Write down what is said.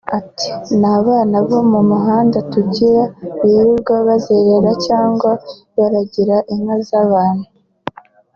Ati “Nta bana bo mu mihanda tugira birirwa bazerera cyangwa baragira inka z’abantu